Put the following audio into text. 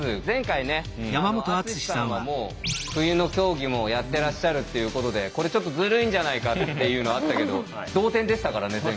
前回ね篤さんはもう冬の競技もやってらっしゃるっていうことでこれちょっとずるいんじゃないかっていうのあったけど同点でしたからね